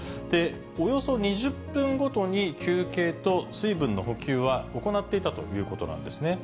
およそ２０分ごとに休憩と水分の補給は行っていたということなんですね。